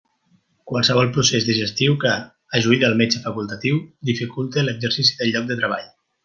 Qualsevol procés digestiu que, a juí del metge facultatiu, dificulte l'exercici del lloc de treball.